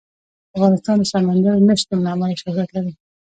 افغانستان د سمندر نه شتون له امله شهرت لري.